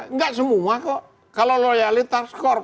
nggak semua kok kalau loyalitas korps